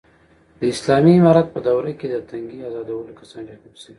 د اسالامي امارت په دوره کې، د تنگې ازادولو کسان ډېر کم شوي دي.